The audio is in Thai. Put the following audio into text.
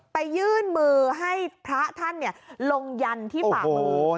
ยื่นมือให้พระท่านลงยันที่ฝ่ามือ